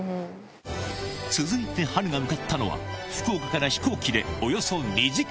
続いて波瑠が向かったのは、福岡から飛行機でおよそ２時間。